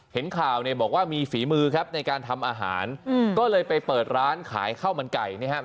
เห็นข่าวเนี่ยบอกว่ามีฝีมือครับในการทำอาหารก็เลยไปเปิดร้านขายข้าวมันไก่นะครับ